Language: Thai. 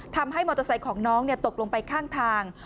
ทำให้มอเตอร์ไซค์ของน้องตกลงไปข้างทาง